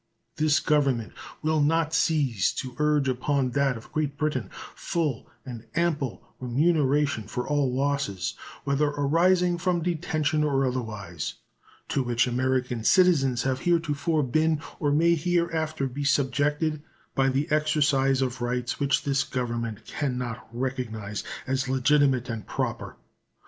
This Government will not cease to urge upon that of Great Britain full and ample remuneration for all losses, whether arising from detention or otherwise, to which American citizens have heretofore been or may hereafter be subjected by the exercise of rights which this Government can not recognize as legitimate and proper.